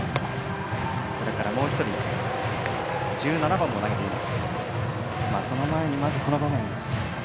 それから、もう１人１７番も投げています。